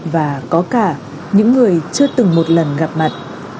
và có cả những người chưa từng một lần gặp mặt